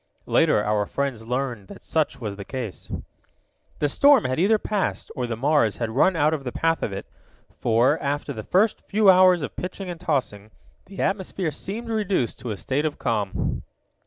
Later our friends learned that such was the case. The storm had either passed, or the Mars had run out of the path of it, for, after the first few hours of pitching and tossing, the atmosphere seemed reduced to a state of calm.